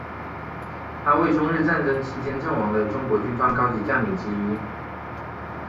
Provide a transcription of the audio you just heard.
他为中日战争期间阵亡的中国军方高级将领之一。